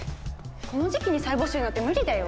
この時期に再募集なんて無理だよ。